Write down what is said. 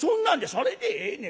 「それでええねん。